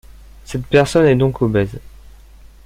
Cette personne est donc obèse.